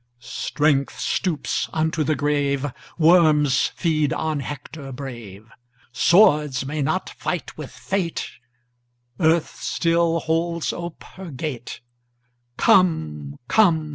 Strength stoops unto the grave, Worms feed on Hector brave; Swords may not fight with fate; Earth still holds ope her gate; 25 Come, come!